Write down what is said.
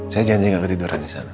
saya janji gak ketiduran disana